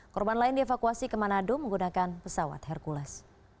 korban lain dievakuasi ke manado menggunakan pesawat hercules